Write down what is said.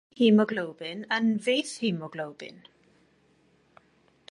Mae'n trosi hemoglobin yn fethemoglobin.